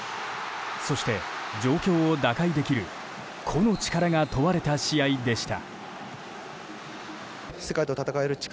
そして、状況を打開できる個の力が問われた試合でした。